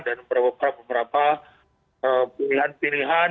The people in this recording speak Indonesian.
dan beberapa pilihan pilihan